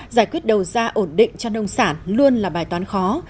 giải quyết đầu ra ổn định cho nông sản luôn là bài toán khó